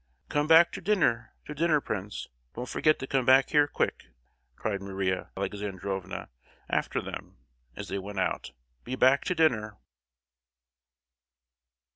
"Come back to dinner,—to dinner, prince! don't forget to come back here quick!" cried Maria Alexandrovna after them as they went out; "be back to dinner!"